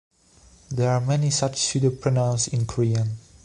There are many such pseudo-pronouns in Korean.